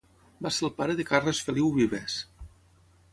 Va ser el pare de Carles Feliu Vives.